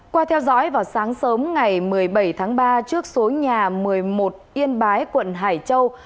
qua theo dõi vào sáng sớm ngày một mươi bảy tháng ba trước số nhà một mươi một yên bái quận hải châu